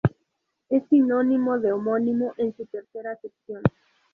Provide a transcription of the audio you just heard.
Es sinónimo de "homónimo" en su tercera acepción.